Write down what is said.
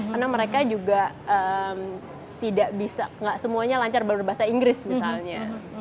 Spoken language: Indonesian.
karena mereka juga tidak bisa tidak semuanya lancar bahasa inggris misalnya